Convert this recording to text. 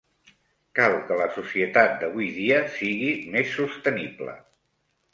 Cal que la societat d'avui dia sigui més sostenible.